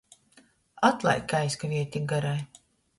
Atlaid, ka aizkavieju tik garai!